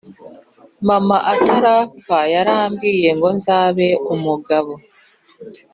Mama atarapfa yarambwiyengo nzabe umugabo